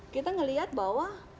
kita melihat bahwa